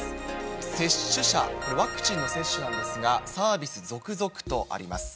接種者、これ、ワクチンの接種なんですが、サービス続々とあります。